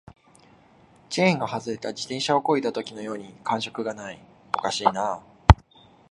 チェーンが外れた自転車を漕いだときのように感触がない、おかしいな